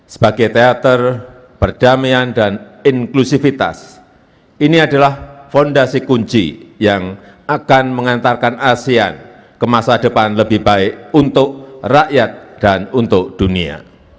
sebagai teater perdamaian dan inklusivitas ini adalah fondasi kunci yang akan mengantarkan asean ke masa depan lebih baik untuk rakyat dan untuk dunia